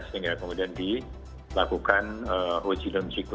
sehingga kemudian dilakukan uji domsica